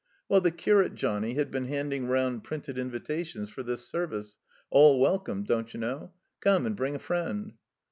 Well, the curate Johnnie had been handing round printed invitations for this Service. "All Welcome,*' don't you know? Come, and bring a Friend."